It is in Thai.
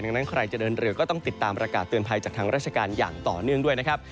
ดังนั้นใครจะเดินเรือก็ต้องติดตามประกาศเตือนภัยจากทางราชการอย่างต่อเนื่องด้วยนะครับ